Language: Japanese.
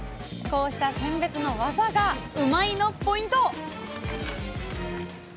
こうした選別の技がうまいッ！のポイント！